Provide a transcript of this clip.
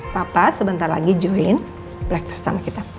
papa sebentar lagi join breakfast sama kita